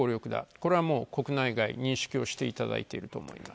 これは国内外認識をしていただいていると思います。